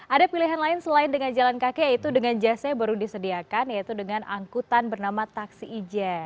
ada pilihan lain selain dengan jalan kaki yaitu dengan jasa yang baru disediakan yaitu dengan angkutan bernama taksi ijen